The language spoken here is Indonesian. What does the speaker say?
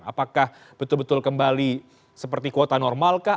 apakah betul betul kembali seperti kuota normalkah